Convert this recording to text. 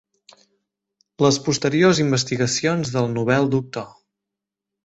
Les posteriors investigacions del Nobel doctor